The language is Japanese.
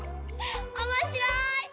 おもしろい！